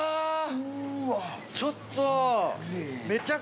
ちょっと！